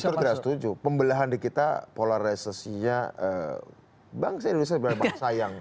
saya setuju pembelahan di kita polarisasinya bangsa indonesia benar benar sayang